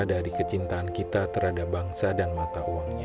dari kecintaan kita terhadap bangsa dan mata uangnya